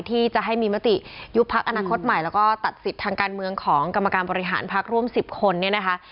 ที่จะให้มีมติยุบพักอนาคตใหม่แล้วก็ตัดสิทธิ์ทางการเมืองของกรรมการบริหารพักร่วม๑๐คนเนี่ยนะคะ